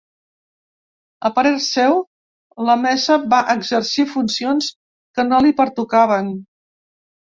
A parer seu, la mesa va exercir funcions que no li pertocaven.